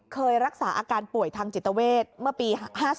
เคยรักษาอาการป่วยทางจิตเวทเมื่อปี๕๔